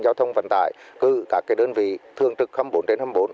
giao thông vận tải cư các đơn vị thương trực khấm bốn trên hai mươi bốn